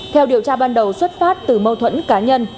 theo điều tra ban đầu xuất phát từ mâu thuẫn cá nhân